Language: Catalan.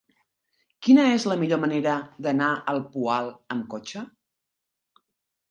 Quina és la millor manera d'anar al Poal amb cotxe?